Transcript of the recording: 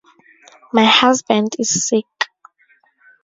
My husband is sick.